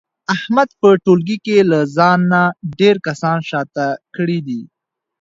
احمد په ټولګي له ځانه ډېر کسان شاته کړي دي.